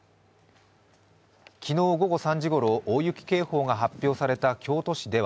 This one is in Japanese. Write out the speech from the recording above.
昨日午後３時ごろ、大雪警報が発表された京都市では